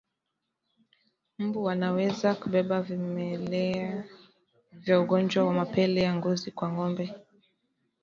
Mbu wanaweza kubeba vimelea vya ugonjwa wa mapele ya ngozi kwa ngombe